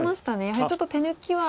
やはりちょっと手抜きは。